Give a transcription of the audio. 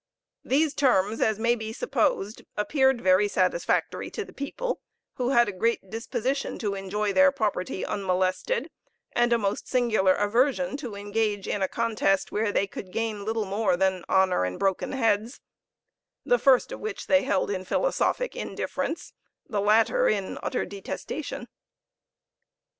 These terms, as may be supposed, appeared very satisfactory to the people, who had a great disposition to enjoy their property unmolested, and a most singular aversion to engage in a contest, where they could gain little more than honor and broken heads: the first of which they held in philosophic indifference, the latter in utter detestation.